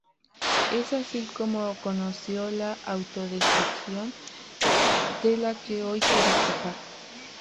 Es así como conoció la autodestrucción, de la que hoy quiere escapar.